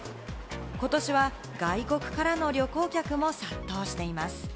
ことしは外国からの旅行客も殺到しています。